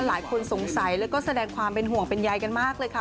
หลายคนสงสัยแล้วก็แสดงความเป็นห่วงเป็นใยกันมากเลยค่ะ